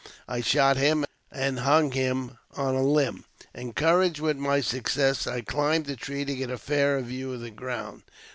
I shot him, and hung him on a limb. Encouraged with my success, I climbed a tree to get a fairer view of the ground.